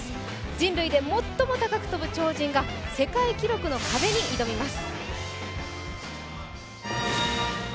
人類で最も高く跳ぶ鳥人が世界記録の壁に挑みます。